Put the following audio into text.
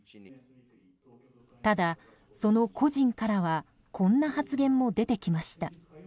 ただ、その個人からはこんな発言も出てきました。